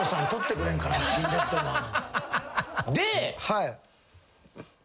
はい。